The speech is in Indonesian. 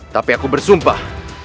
tapi aku bersumpah